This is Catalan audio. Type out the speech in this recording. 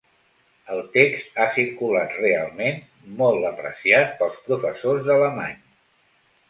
El text ha circulat realment, molt apreciat pels professors d'alemany.